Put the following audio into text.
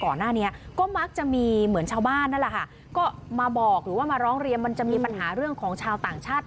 ก่อนหน้านี้ก็มักจะมีเหมือนชาวบ้านนั่นแหละค่ะก็มาบอกหรือว่ามาร้องเรียนมันจะมีปัญหาเรื่องของชาวต่างชาติ